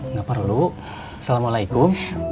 nggak perlu assalamualaikum